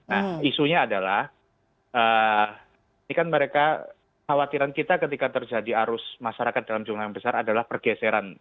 nah isunya adalah ini kan mereka khawatiran kita ketika terjadi arus masyarakat dalam jumlah yang besar adalah pergeseran